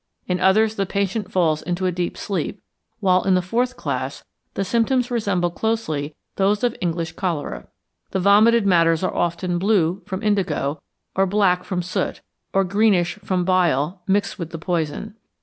In others the patient falls into a deep sleep, while in the fourth class the symptoms resemble closely those of English cholera. The vomited matters are often blue from indigo, or black from soot, or greenish from bile, mixed with the poison.